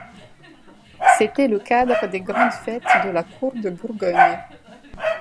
C'était le cadre des grandes fêtes de la cour de Bourgogne.